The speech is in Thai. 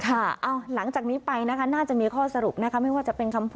อ้าวหลังจากนี้ไปค่าและมีข้อสรุปนะคะ